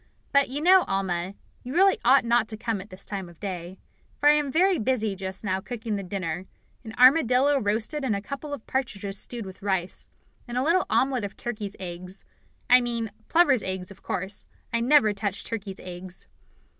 But, you know, Alma, you really ought not to come at this time of day, for I am very busy just now cooking the dinner an armadillo roasted and a couple of partridges stewed with rice, and a little omelette of turkeys' eggs I mean plovers' eggs, of course; I never touch turkeys' eggs."